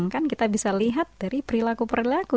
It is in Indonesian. bisa dituangkan kita bisa lihat dari perilaku perilaku